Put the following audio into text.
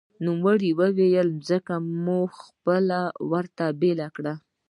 نوموړي ویلي، ځمکه مو خپله ورته بېله کړې